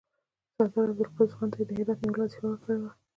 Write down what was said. سردار عبدالقدوس خان ته یې د هرات نیولو وظیفه ورکړې وه.